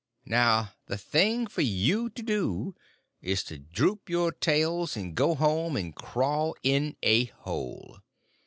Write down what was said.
Now the thing for you to do is to droop your tails and go home and crawl in a hole.